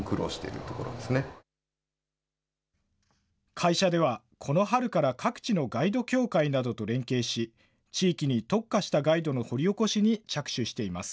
会社ではこの春から各地のガイド協会などと連携し、地域に特化したガイドの掘り起こしに着手しています。